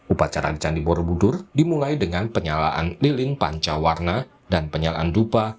upacara di candi borobudur dimulai dengan penyalaan lilin panca warna dan penyalaan dupa